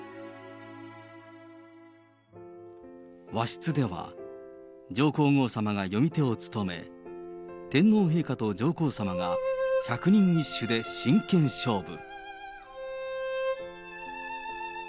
和室では、上皇后さまが読み手を務め、天皇陛下と上皇さまが百人一首で真剣勝負。